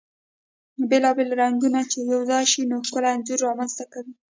بيلا بيل رنګونه چی يو ځاي شي ، نو ښکلی انځور رامنځته کوي .